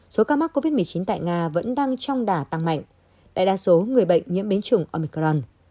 số ca mắc covid một mươi chín tại nga vẫn đang trong đả tăng mạnh đại đa số người bệnh nhiễm biến chủng amican